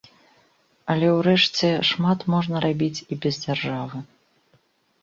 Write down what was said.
Але ўрэшце, шмат можна рабіць і без дзяржавы.